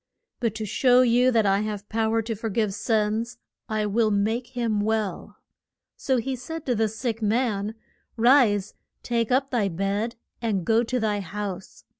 But to show you that I have pow er to for give sins, I will make him well. So he said to the sick man, Rise, take up thy bed, and go to thy house.